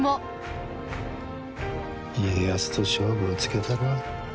家康と勝負をつけたるわ。